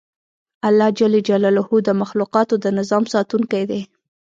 الله ج د مخلوقاتو د نظام ساتونکی دی